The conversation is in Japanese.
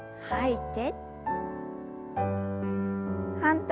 はい。